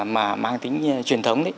mà mang tính truyền thống